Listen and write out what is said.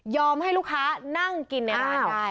ยอมให้ลูกค้านั่งกินในร้านได้